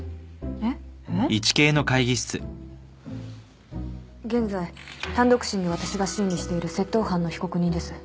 えっ？現在単独審で私が審理している窃盗犯の被告人です。